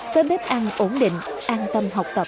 có bếp ăn ổn định an tâm học tập